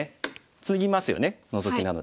ツギますよねノゾキなので。